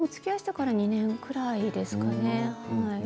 おつきあいしてから２年くらいですかね。